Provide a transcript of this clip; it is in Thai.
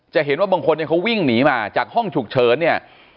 เห็นว่าบางคนเนี่ยเขาวิ่งหนีมาจากห้องฉุกเฉินเนี่ย